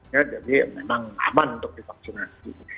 ya jadi memang aman untuk divaksinasi